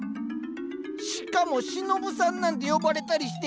しかも「シノブさん」なんて呼ばれたりして。